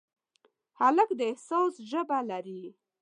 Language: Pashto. هلک د احساس ژبه لري.